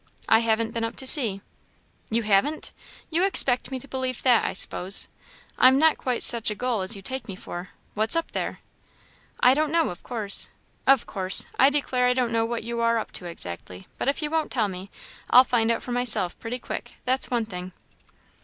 "I haven't been up to see." "You haven't! you expect me to believe that, I s'pose? I am not quite such a gull as you take me for. What's up there?" "I don't know, of course." "Of course! I declare I don't know what you are up to exactly; but if you won't tell me, I'll find out for myself pretty quick that's one thing."